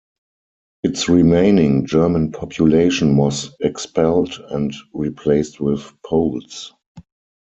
Its remaining German population was expelled and replaced with Poles.